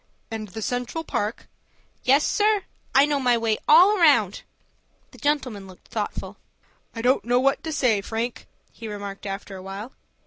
"And the Central Park?" "Yes, sir. I know my way all round." The gentleman looked thoughtful. "I don't know what to say, Frank," he remarked after a while.